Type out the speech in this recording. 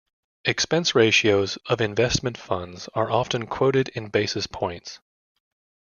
Expense ratios of investment funds are often quoted in basis points.